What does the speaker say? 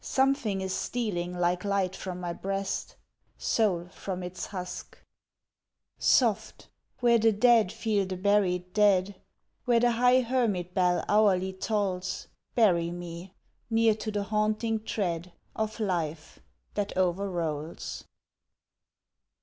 Something is stealing like light from my breast Soul from its husk ... Soft!... Where the dead feel the buried dead, Where the high hermit bell hourly tolls, Bury me, near to the haunting tread Of life that o'errolls.